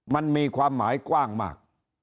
มันมีความหมายกว้างมาก